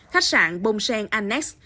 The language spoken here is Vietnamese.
khách sạn bông sen annex